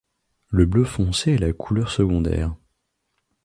Le bleu foncé est la couleur secondaire.